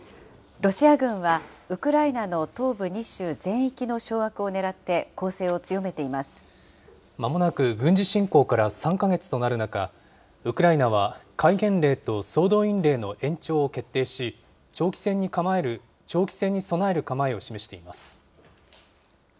ロシア軍はウクライナの東部２州全域の掌握をねらって攻勢を強めまもなく軍事侵攻から３か月となる中、ウクライナは戒厳令と総動員令の延長を決定し、長期戦に備える構えを示しています。